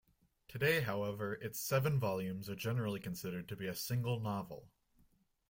Today, however, its seven volumes are generally considered to be a single novel.